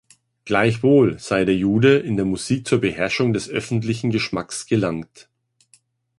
Gleichwohl sei „der Jude“ in der Musik zur Beherrschung des öffentlichen Geschmacks gelangt.